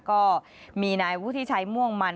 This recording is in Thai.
ก็มีนายผู้ที่ใช้ม่วงมัน